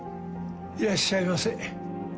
いらっしゃいませ。